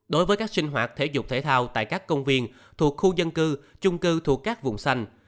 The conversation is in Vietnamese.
đối với các sinh hoạt thể dục thể thao tại các công viên thuộc khu dân cư chung cư thuộc các vùng xanh